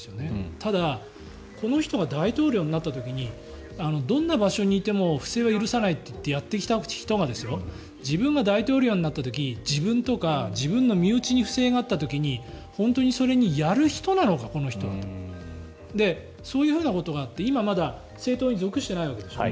ただこの人が大統領になった時にどんな場所にいても不正は許さないってやってきた人が自分が大統領になった時自分とか自分の身内に不正があった時に本当にそれにやる人なのかこの人はと。そういうふうなことがあって今はまだ政党に属してないわけでしょう。